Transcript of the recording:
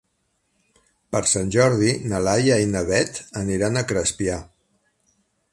Per Sant Jordi na Lia i na Beth aniran a Crespià.